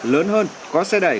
lớn hơn có xe đẩy